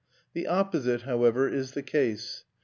The opposite, however, is the case.